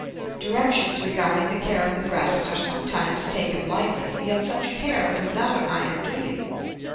Directions regarding the care of the breasts are sometimes taken lightly, yet such care is not a minor duty.